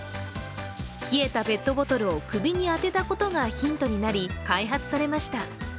冷えたペットボトルを首に当てたことがヒントになり、開発されました。